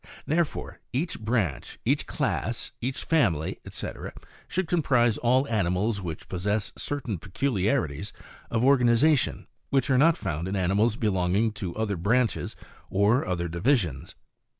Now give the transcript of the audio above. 1 1. Therefore, each branch, each class, each family &c., should comprise all animals which possess certain peculiarities of organi zation which are not found in animals belonging to other branches or other divisions.